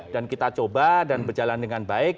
dan kita coba dan berjalan dengan baik